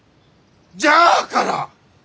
じゃあから！